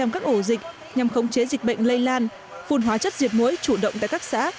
các ổ dịch nhằm khống chế dịch bệnh lây lan phun hóa chất diệt mối chủ động tại các xã